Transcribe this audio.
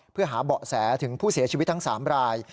เพื่อหาเบาะแสถึงผู้เสียชีวิตทั้ง๓ราย